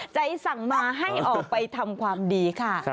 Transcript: สั่งมาให้ออกไปทำความดีค่ะ